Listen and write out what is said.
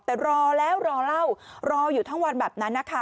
แต่รอแล้วรอเล่ารออยู่ทั้งวันแบบนั้นนะคะ